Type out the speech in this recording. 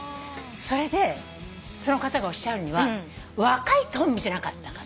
それでその方がおっしゃるには若いトンビじゃなかったかな。